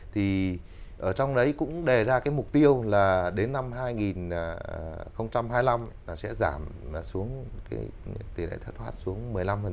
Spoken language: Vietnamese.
thì ở trong đấy cũng đề ra cái mục tiêu là đến năm hai nghìn hai mươi năm sẽ giảm xuống